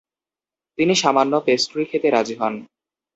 তিনি সামান্য পেস্ট্রি খেতে রাজি হন।